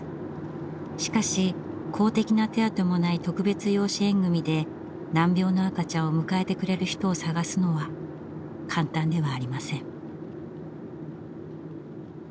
しかし公的な手当もない特別養子縁組で難病の赤ちゃんを迎えてくれる人を探すのは簡単ではありません。